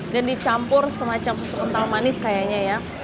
dan dicampur semacam susu kental manis kayaknya ya